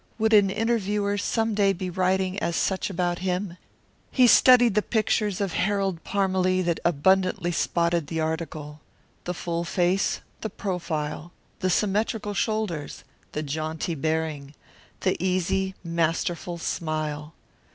Would an interviewer some day be writing as much about him? He studied the pictures of Harold Parmalee that abundantly spotted the article. The full face, the profile, the symmetrical shoulders, the jaunty bearing, the easy, masterful smile.